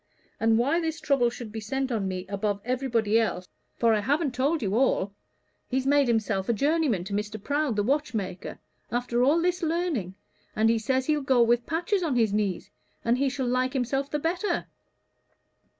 And why this trouble should be sent on me above everybody else for I haven't told you all. He's made himself a journeyman to Mr. Prowd the watchmaker after all this learning and he says he'll go with patches on his knees, and he shall like himself the better.